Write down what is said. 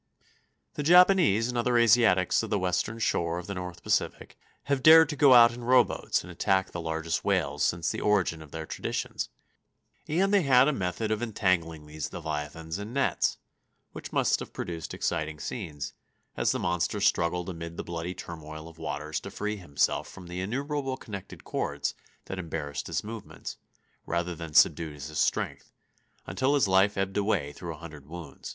The Japanese and other Asiatics of the western shore of the North Pacific have dared to go out in rowboats and attack the largest whales since the origin of their traditions, and they had a method of entangling these leviathans in nets, which must have produced exciting scenes, as the monster struggled amid the bloody turmoil of waters to free himself from the innumerable connected cords that embarrassed his movements, rather than subdued his strength, until his life ebbed away through a hundred wounds.